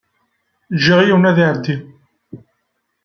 Jjiɣ yiwen ad iɛeddi.